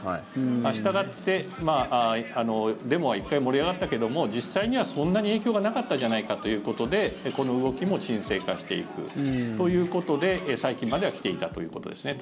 したがってデモは１回盛り上がったけども実際にはそんなに影響がなかったじゃないかということでこの動きも沈静化していくということで最近までは来ていたということですね。